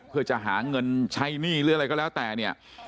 เพื่อจะหาเงินใช้หนี้หรืออะไรก็แล้วแต่เนี่ย